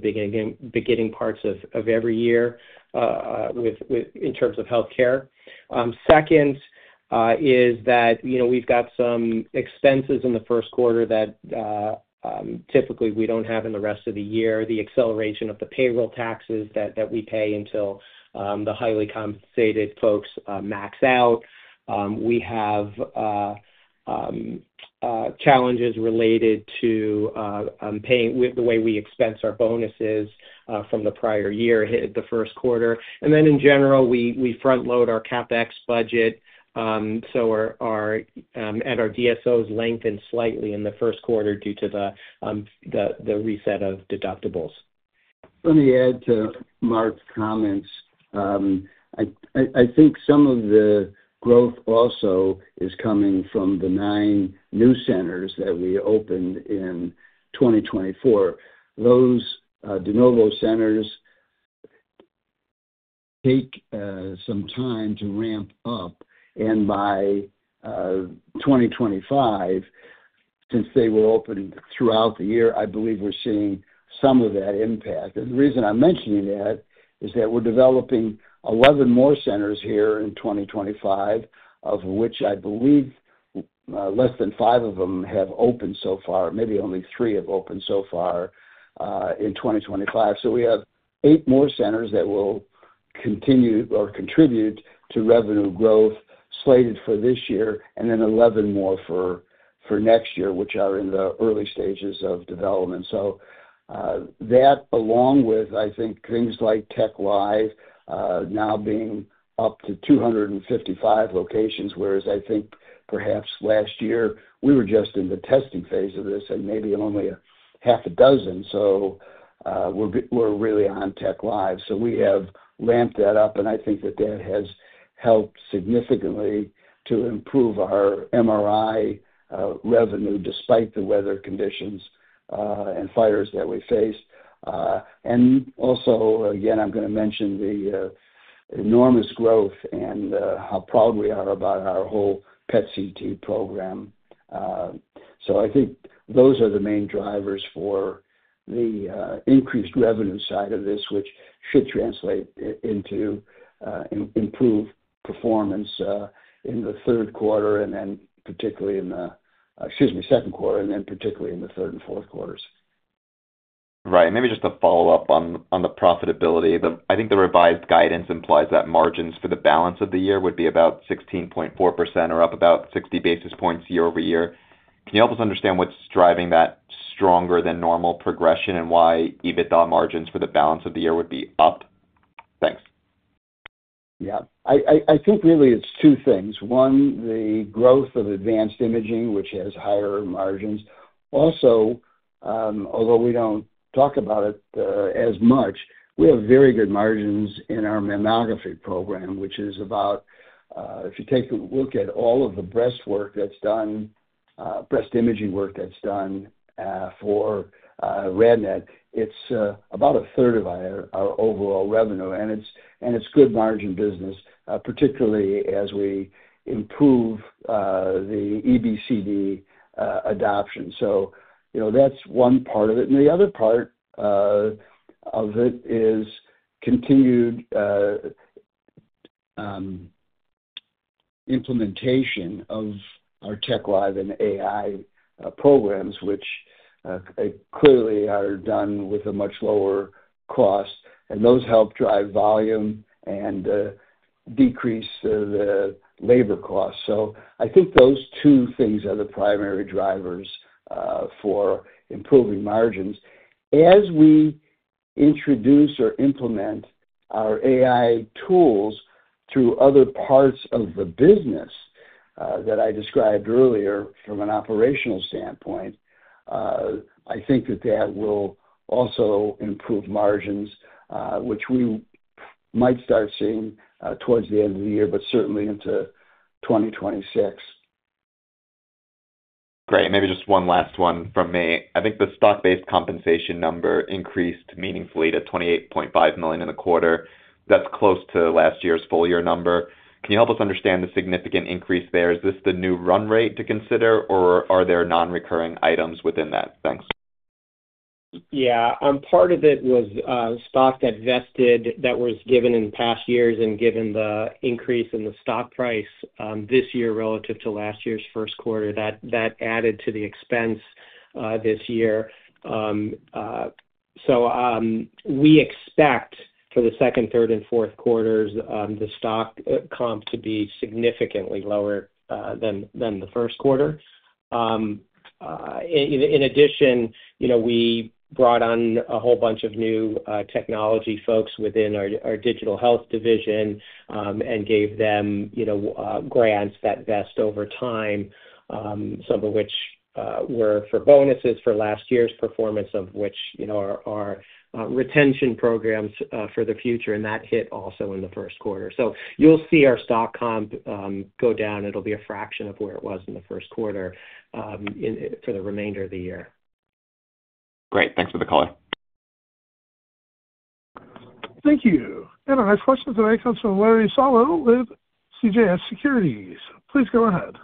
beginning parts of every year in terms of healthcare. Second is that we've got some expenses in the first quarter that typically we don't have in the rest of the year, the acceleration of the payroll taxes that we pay until the highly compensated folks max out. We have challenges related to paying with the way we expense our bonuses from the prior year hit the first quarter. In general, we front-load our CapEx budget. Our DSOs lengthened slightly in the first quarter due to the reset of deductibles. Let me add to Mark's comments. I think some of the growth also is coming from the nine new centers that we opened in 2024. Those de novo centers take some time to ramp up. By 2025, since they were open throughout the year, I believe we're seeing some of that impact. The reason I'm mentioning that is that we're developing 11 more centers here in 2025, of which I believe less than five of them have opened so far, maybe only three have opened so far in 2025. We have eight more centers that will continue or contribute to revenue growth slated for this year and then 11 more for next year, which are in the early stages of development. That, along with, I think, things like TechLive now being up to 255 locations, whereas I think perhaps last year we were just in the testing phase of this and maybe only a half a dozen. We are really on TechLive. We have ramped that up. I think that has helped significantly to improve our MRI revenue despite the weather conditions and fires that we faced. Also, again, I am going to mention the enormous growth and how proud we are about our whole PET/CT program. I think those are the main drivers for the increased revenue side of this, which should translate into improved performance in the third quarter and then particularly in the, excuse me, second quarter and then particularly in the third and fourth quarters. Right. Maybe just to follow up on the profitability, I think the revised guidance implies that margins for the balance of the year would be about 16.4% or up about 60 basis points year-over-year. Can you help us understand what's driving that stronger-than-normal progression and why EBITDA margins for the balance of the year would be up? Thanks. Yeah. I think really it's two things. One, the growth of advanced imaging, which has higher margins. Also, although we don't talk about it as much, we have very good margins in our mammography program, which is about if you take a look at all of the breast work that's done, breast imaging work that's done for RadNet, it's about a third of our overall revenue. It's good margin business, particularly as we improve the EBCD adoption. That's one part of it. The other part of it is continued implementation of our TechLive and AI programs, which clearly are done with a much lower cost. Those help drive volume and decrease the labor costs. I think those two things are the primary drivers for improving margins. As we introduce or implement our AI tools through other parts of the business that I described earlier from an operational standpoint, I think that that will also improve margins, which we might start seeing towards the end of the year, but certainly into 2026. Great. Maybe just one last one from me. I think the stock-based compensation number increased meaningfully to $28.5 million in the quarter. That's close to last year's full-year number. Can you help us understand the significant increase there? Is this the new run rate to consider, or are there non-recurring items within that? Thanks. Yeah. Part of it was stock that vested that was given in past years and given the increase in the stock price this year relative to last year's first quarter. That added to the expense this year. We expect for the second, third, and fourth quarters, the stock comp to be significantly lower than the first quarter. In addition, we brought on a whole bunch of new technology folks within our digital health division and gave them grants that vest over time, some of which were for bonuses for last year's performance, some of which are retention programs for the future. That hit also in the first quarter. You'll see our stock comp go down. It'll be a fraction of where it was in the first quarter for the remainder of the year. Great. Thanks for the call. Thank you. Our next question is a very comfortable Larry Solow with CJS Securities. Please go ahead.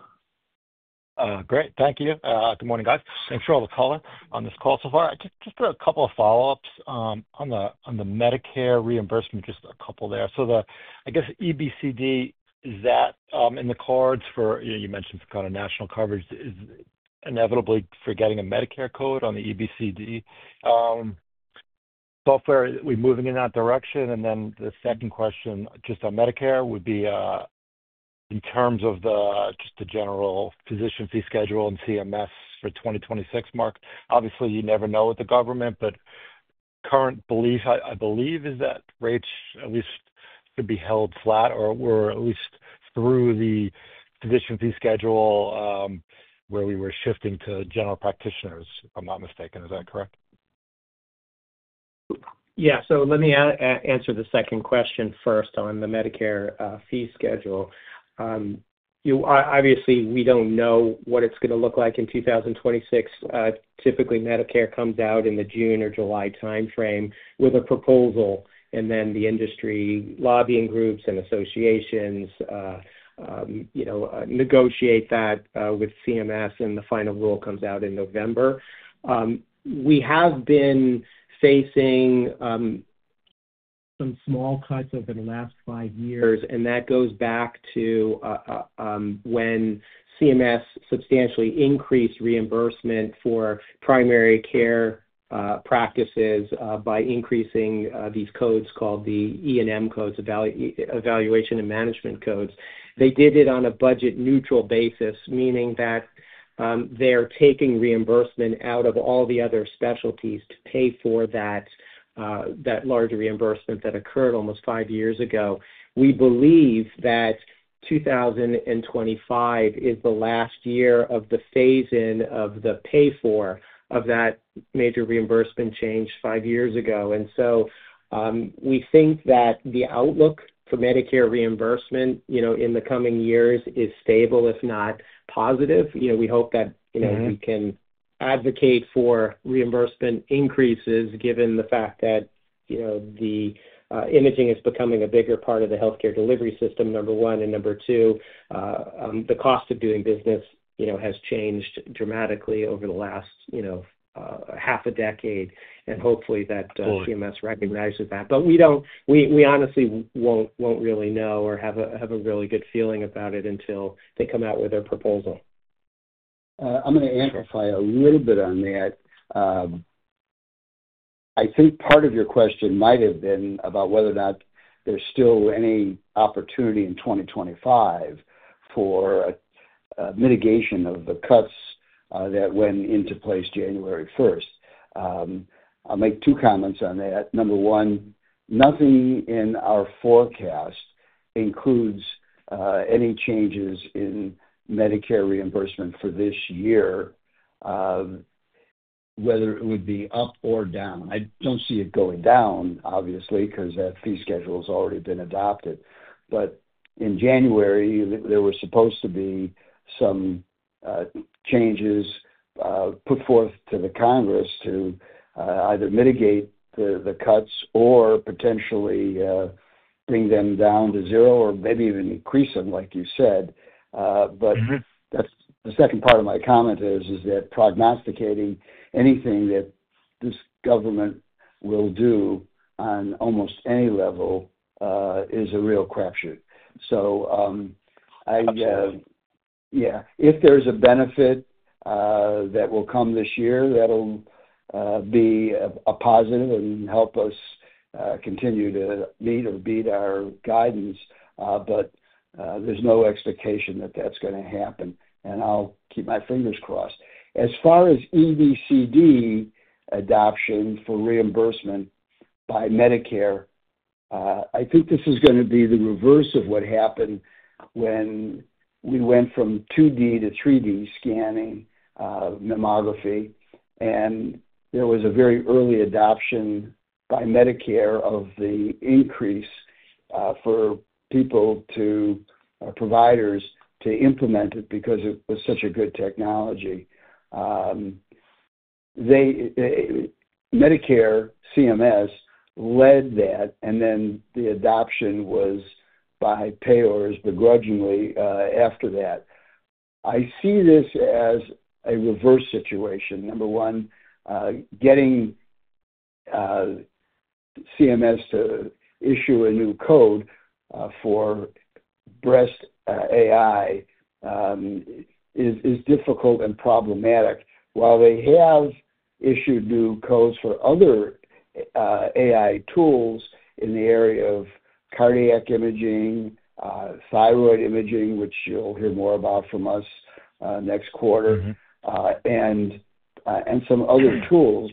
Great. Thank you. Good morning, guys. Thanks for all the calls on this call so far. Just a couple of follow-ups on the Medicare reimbursement, just a couple there. I guess EBCD, is that in the cards for you mentioned kind of national coverage, inevitably forgetting a Medicare code on the EBCD software. Are we moving in that direction? The second question just on Medicare would be in terms of just the general physician fee schedule and CMS for 2026, Mark. Obviously, you never know with the government, but the current belief, I believe, is that rates at least should be held flat or at least through the physician fee schedule where we were shifting to general practitioners, if I'm not mistaken. Is that correct? Yeah. Let me answer the second question first on the Medicare fee schedule. Obviously, we do not know what it is going to look like in 2026. Typically, Medicare comes out in the June or July timeframe with a proposal, and then the industry lobbying groups and associations negotiate that with CMS, and the final rule comes out in November. We have been facing some small cuts over the last five years, and that goes back to when CMS substantially increased reimbursement for primary care practices by increasing these codes called the E&M codes, evaluation and management codes. They did it on a budget-neutral basis, meaning that they are taking reimbursement out of all the other specialties to pay for that larger reimbursement that occurred almost five years ago. We believe that 2025 is the last year of the phase-in of the pay for that major reimbursement change five years ago. We think that the outlook for Medicare reimbursement in the coming years is stable, if not positive. We hope that we can advocate for reimbursement increases given the fact that the imaging is becoming a bigger part of the healthcare delivery system, number one. Number two, the cost of doing business has changed dramatically over the last half a decade. Hopefully, CMS recognizes that. We honestly will not really know or have a really good feeling about it until they come out with their proposal. I'm going to amplify a little bit on that. I think part of your question might have been about whether or not there's still any opportunity in 2025 for mitigation of the cuts that went into place January 1. I'll make two comments on that. Number one, nothing in our forecast includes any changes in Medicare reimbursement for this year, whether it would be up or down. I don't see it going down, obviously, because that fee schedule has already been adopted. In January, there were supposed to be some changes put forth to the Congress to either mitigate the cuts or potentially bring them down to zero or maybe even increase them, like you said. The second part of my comment is that prognosticating anything that this government will do on almost any level is a real crapshoot. Yeah, if there's a benefit that will come this year, that'll be a positive and help us continue to meet or beat our guidance. There's no expectation that that's going to happen. I'll keep my fingers crossed. As far as EBCD adoption for reimbursement by Medicare, I think this is going to be the reverse of what happened when we went from 2D-3D scanning mammography. There was a very early adoption by Medicare of the increase for people, providers to implement it because it was such a good technology. Medicare CMS led that, and then the adoption was by payers begrudgingly after that. I see this as a reverse situation. Number one, getting CMS to issue a new code for breast AI is difficult and problematic. While they have issued new codes for other AI tools in the area of cardiac imaging, thyroid imaging, which you'll hear more about from us next quarter, and some other tools.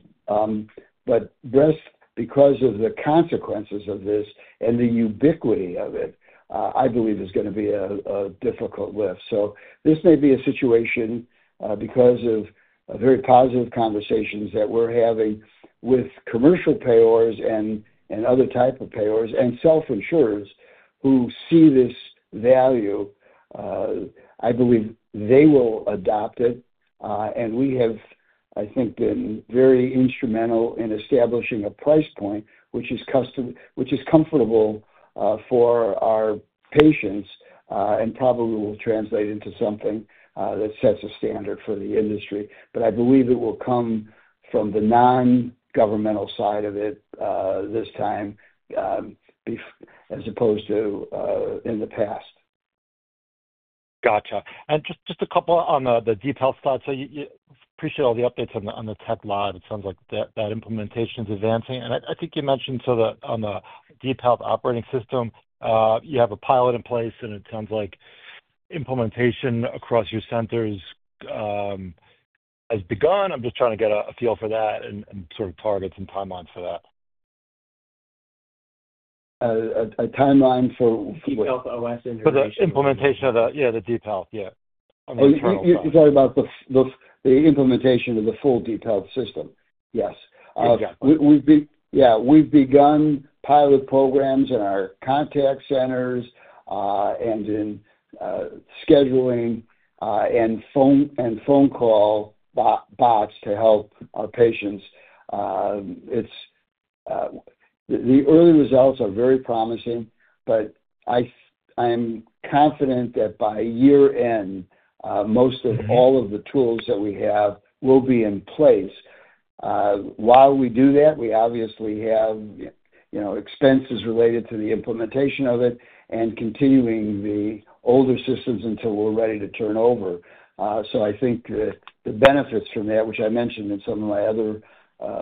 Breast, because of the consequences of this and the ubiquity of it, I believe is going to be a difficult lift. This may be a situation because of very positive conversations that we're having with commercial payers and other types of payers and self-insurers who see this value. I believe they will adopt it. We have, I think, been very instrumental in establishing a price point which is comfortable for our patients and probably will translate into something that sets a standard for the industry. I believe it will come from the non-governmental side of it this time as opposed to in the past. Gotcha. And just a couple on the DeepHealth side. I appreciate all the updates on the TechLive. It sounds like that implementation is advancing. I think you mentioned on the DeepHealth operating system, you have a pilot in place, and it sounds like implementation across your centers has begun. I'm just trying to get a feel for that and sort of targets and timelines for that. A timeline for DeepHealth OS in relation to. For the implementation of the, yeah, the DeepHealth. Yeah. I'm very proud of that. You're talking about the implementation of the full DeepHealth system. Yes. Exactly. Yeah. We've begun pilot programs in our contact centers and in scheduling and phone call bots to help our patients. The early results are very promising, but I am confident that by year-end, most or all of the tools that we have will be in place. While we do that, we obviously have expenses related to the implementation of it and continuing the older systems until we're ready to turn over. I think the benefits from that, which I mentioned in some of my other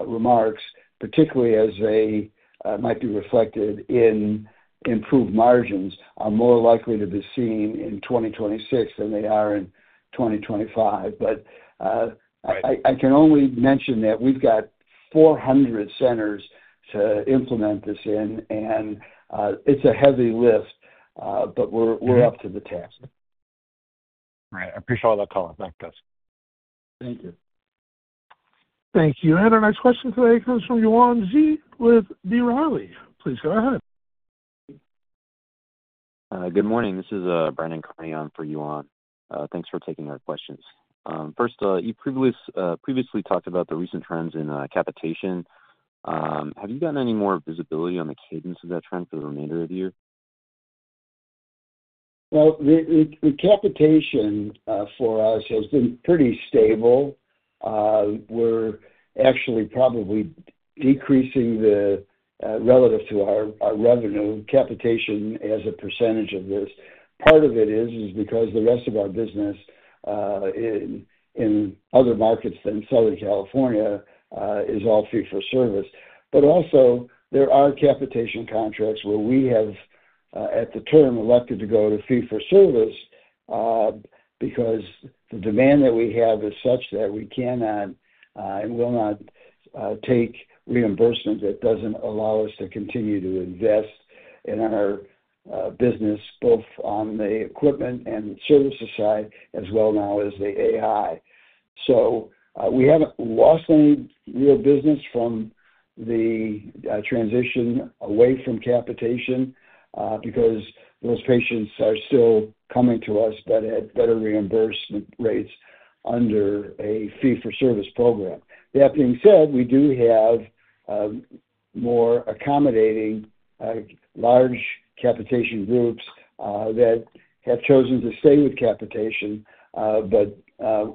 remarks, particularly as they might be reflected in improved margins, are more likely to be seen in 2026 than they are in 2025. I can only mention that we've got 400 centers to implement this in, and it's a heavy lift, but we're up to the task. All right. I appreciate all that comment. Thanks, guys. Thank you. Thank you. Our next question today comes from Yuan Zhi with B. Rilley. Please go ahead. Good morning. This is Brandon Carneon for Yuan. Thanks for taking our questions. First, you previously talked about the recent trends in capitation. Have you gotten any more visibility on the cadence of that trend for the remainder of the year? The capitation for us has been pretty stable. We're actually probably decreasing the relative to our revenue, capitation as a percentage of this. Part of it is because the rest of our business in other markets than Southern California is all fee-for-service. Also, there are capitation contracts where we have, at the term, elected to go to fee-for-service because the demand that we have is such that we cannot and will not take reimbursement that does not allow us to continue to invest in our business, both on the equipment and service side as well now as the AI. We have not lost any real business from the transition away from capitation because those patients are still coming to us that had better reimbursement rates under a fee-for-service program. That being said, we do have more accommodating large capitation groups that have chosen to stay with capitation,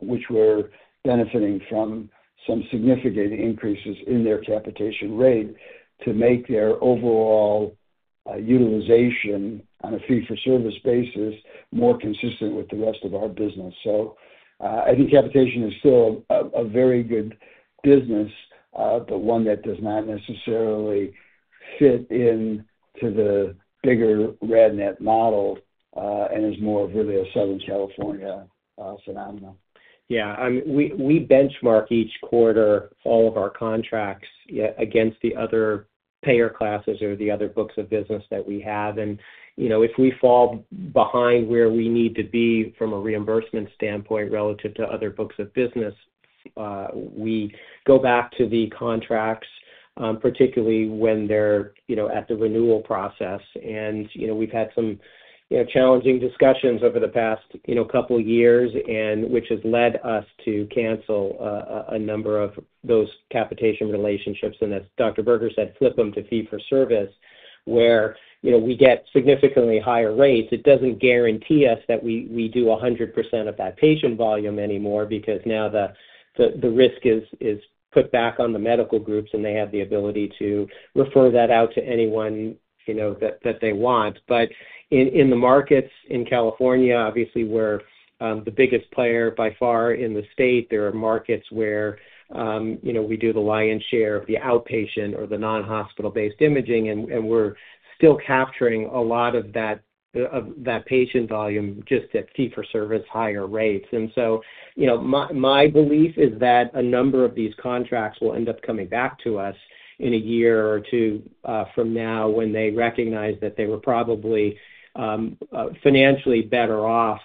which we are benefiting from some significant increases in their capitation rate to make their overall utilization on a fee-for-service basis more consistent with the rest of our business. I think capitation is still a very good business, but one that does not necessarily fit into the bigger RadNet model and is more of really a Southern California phenomenon. Yeah. We benchmark each quarter all of our contracts against the other payer classes or the other books of business that we have. If we fall behind where we need to be from a reimbursement standpoint relative to other books of business, we go back to the contracts, particularly when they're at the renewal process. We've had some challenging discussions over the past couple of years, which has led us to cancel a number of those capitation relationships. As Dr. Berger said, flip them to fee-for-service, where we get significantly higher rates. It doesn't guarantee us that we do 100% of that patient volume anymore because now the risk is put back on the medical groups, and they have the ability to refer that out to anyone that they want. In the markets in California, obviously, we're the biggest player by far in the state. There are markets where we do the lion's share of the outpatient or the non-hospital-based imaging, and we're still capturing a lot of that patient volume just at fee-for-service higher rates. My belief is that a number of these contracts will end up coming back to us in a year or two from now when they recognize that they were probably financially better off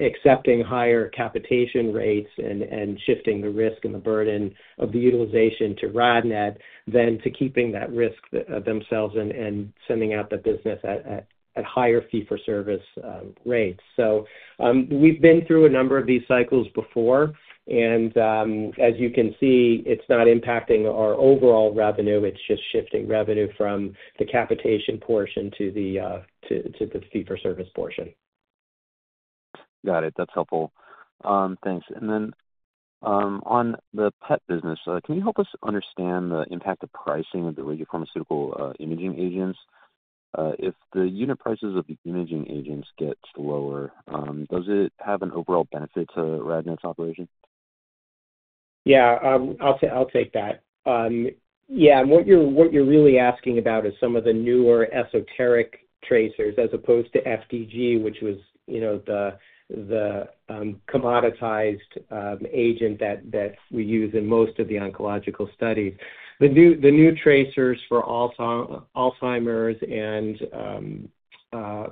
accepting higher capitation rates and shifting the risk and the burden of the utilization to RadNet than to keeping that risk themselves and sending out the business at higher fee-for-service rates. We have been through a number of these cycles before. As you can see, it is not impacting our overall revenue. It is just shifting revenue from the capitation portion to the fee-for-service portion. Got it. That's helpful. Thanks. On the PET business, can you help us understand the impact of pricing of the radiopharmaceutical imaging agents? If the unit prices of the imaging agents get lower, does it have an overall benefit to RadNet operation? Yeah. I'll take that. Yeah. And what you're really asking about is some of the newer esoteric tracers as opposed to FDG, which was the commoditized agent that we use in most of the oncological studies. The new tracers for Alzheimer's and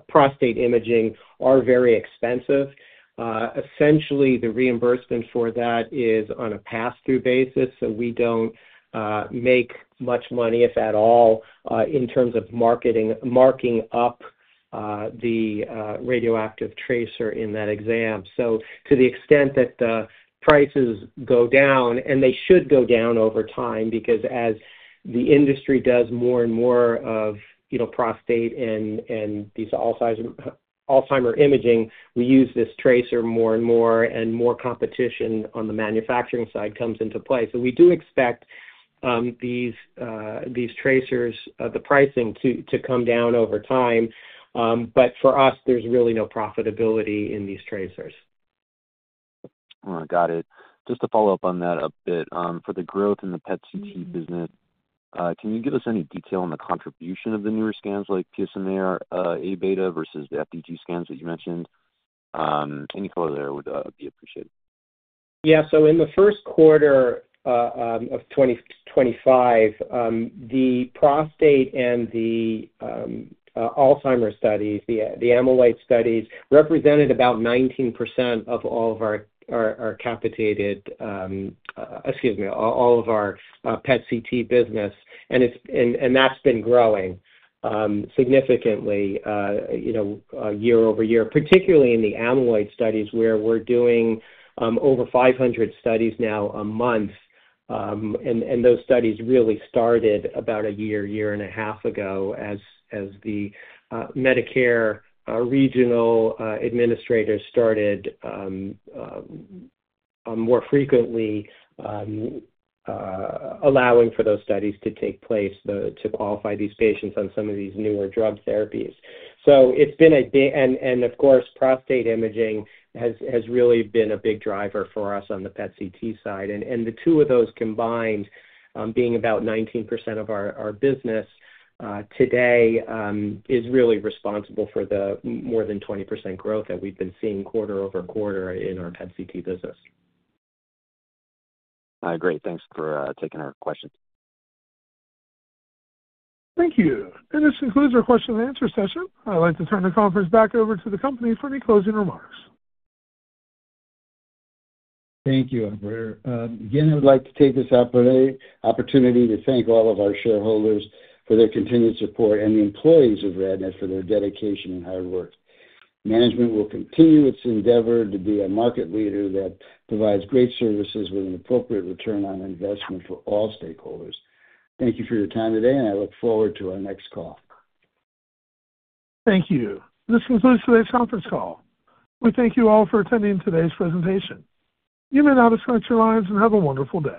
prostate imaging are very expensive. Essentially, the reimbursement for that is on a pass-through basis. So we don't make much money, if at all, in terms of marking up the radioactive tracer in that exam. To the extent that the prices go down, and they should go down over time because as the industry does more and more of prostate and these Alzheimer's imaging, we use this tracer more and more, and more competition on the manufacturing side comes into play. We do expect these tracers, the pricing, to come down over time. For us, there's really no profitability in these tracers. Got it. Just to follow up on that a bit, for the growth in the PET/CT business, can you give us any detail on the contribution of the newer scans like PSMA or A beta versus the FDG scans that you mentioned? Any color there would be appreciated. Yeah. In the first quarter of 2025, the prostate and the Alzheimer's studies, the amyloid studies, represented about 19% of all of our PET/CT business. That's been growing significantly year over year, particularly in the amyloid studies where we're doing over 500 studies now a month. Those studies really started about a year, year and a half ago as the Medicare regional administrators started more frequently allowing for those studies to take place to qualify these patients on some of these newer drug therapies. It's been a—and of course, prostate imaging has really been a big driver for us on the PET/CT side. The two of those combined, being about 19% of our business today, is really responsible for the more than 20% growth that we've been seeing quarter over quarter in our PET/CT business. Great. Thanks for taking our questions. Thank you. This concludes our question-and-answer session. I'd like to turn the conference back over to the company for any closing remarks. Thank you, Albert. Again, I would like to take this opportunity to thank all of our shareholders for their continued support and the employees of RadNet for their dedication and hard work. Management will continue its endeavor to be a market leader that provides great services with an appropriate return on investment for all stakeholders. Thank you for your time today, and I look forward to our next call. Thank you. This concludes today's conference call. We thank you all for attending today's presentation. You may now disconnect your lines and have a wonderful day.